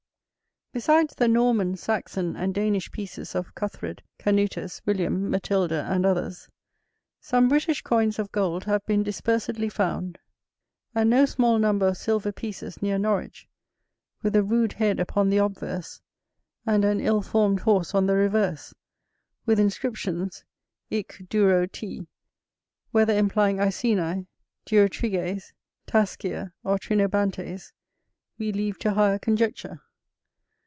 Besides the Norman, Saxon, and Danish pieces of Cuthred, Canutus, William, Matilda, and others, some British coins of gold have been dispersedly found, and no small number of silver pieces near Norwich, with a rude head upon the obverse, and an ill formed horse on the reverse, with inscriptions Ic. Duro. T.; whether implying Iceni, Durotriges, Tascia, or Trinobantes, we leave to higher conjecture.